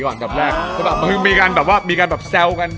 อันดับแรกมีการแซวกัน